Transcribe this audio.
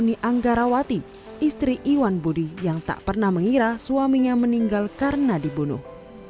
iwan budi yang tak pernah mengira suaminya meninggal karena dibunuh